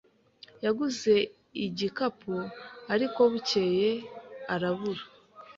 Yaguze igikapu, ariko bukeye arabura.